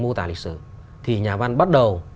mô tả lịch sử thì nhà văn bắt đầu